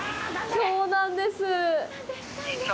きょうなんです。